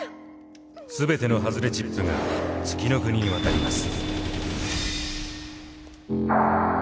全ての外れチップが月ノ国に渡ります。